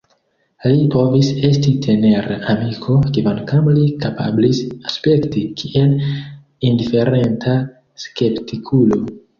Li povis esti tenera amiko, kvankam li kapablis aspekti kiel indiferenta skeptikulo.